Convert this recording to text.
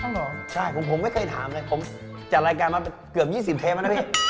เหรอใช่ผมไม่เคยถามเลยผมจัดรายการมาเกือบ๒๐เทปแล้วนะพี่